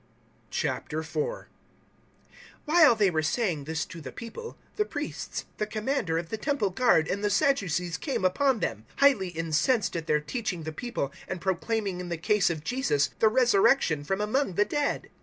004:001 While they were saying this to the people, the Priests, the Commander of the Temple Guard, and the Sadducees came upon them, 004:002 highly incensed at their teaching the people and proclaiming in the case of Jesus the Resurrection from among the dead.